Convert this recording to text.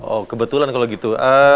oh kebetulan kalo gitu